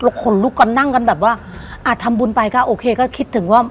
คนลุกกันนั่งกันแบบว่าอ่ะทำบุญไปก็โอเคก็คิดถึงว่า